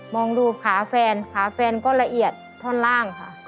องดูขาแฟนขาแฟนก็ละเอียดท่อนล่างค่ะ